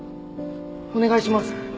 お願いします！